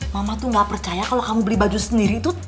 mama tuh gak percaya kalau kamu beli baju sendiri tuh